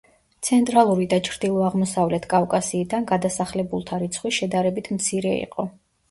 ცენტრალური და ჩრდილო-აღმოსავლეთ კავკასიიდან გადასახლებულთა რიცხვი შედარებით მცირე იყო.